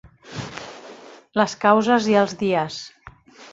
Les causes i els dies.